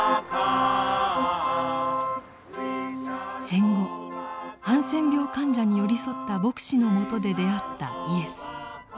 戦後ハンセン病患者に寄り添った牧師のもとで出会ったイエス。